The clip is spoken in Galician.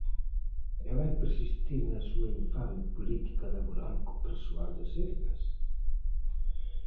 ¿E vai persistir na súa infame política laboral co persoal do Sergas?